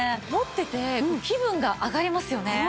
持ってて気分が上がりますよね。